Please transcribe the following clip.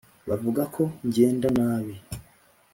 bavuga ko ngenda nabi